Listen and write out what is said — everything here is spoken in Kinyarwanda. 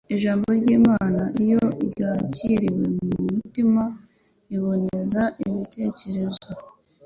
Ijambo ry'Imana iyo ryakiriwe mu mutima riboneza ibitekerezo